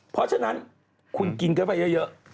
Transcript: เพราะฉะนั้นคุณกินเข้าไปเยอะ